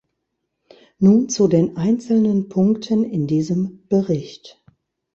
Nun zu den einzelnen Punkten in diesem Bericht.